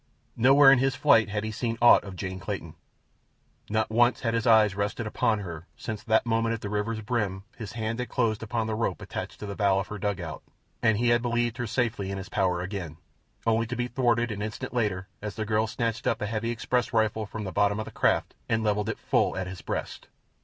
Nowhere in his flight had he seen aught of Jane Clayton. Not once had his eyes rested upon her since that moment at the river's brim his hand had closed upon the rope attached to the bow of her dugout and he had believed her safely in his power again, only to be thwarted an instant later as the girl snatched up a heavy express rifle from the bottom of the craft and levelled it full at his breast.